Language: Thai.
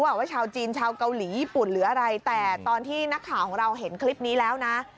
ว่าชาวจีนชาวเกาหลีญี่ปุ่นหรืออะไรแต่ตอนที่นักข่าวของเราเห็นคลิปนี้แล้วนะ